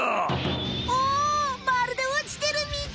おおまるでおちてるみたい。